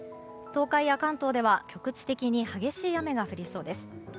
東海や関東では局地的に激しい雨が降りそうです。